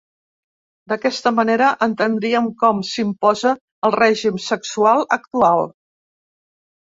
D'aquesta manera entendríem com s'imposa el règim sexual actual.